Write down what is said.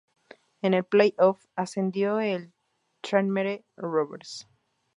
En el play-off, ascendió el Tranmere Rovers.